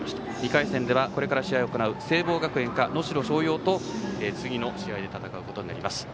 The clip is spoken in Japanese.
２回戦ではこれから試合を行う聖望学園か能代松陽と次の試合で戦うことになります。